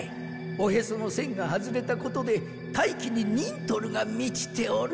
おへその栓が外れたことで大気にニントルが満ちておる。